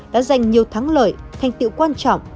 đã giành nhiều thắng lợi thanh tựu quan trọng